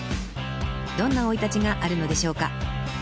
［どんな生い立ちがあるのでしょうか］